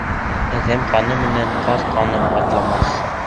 Әҙәм ҡаны менән ҡаҙ ҡаны атлатмаҫ.